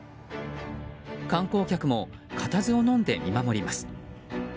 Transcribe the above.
観光客も固唾をのんで見守ります。